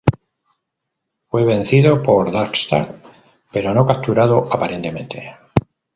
Fue vencido por Darkstar, pero no capturado, aparentemente.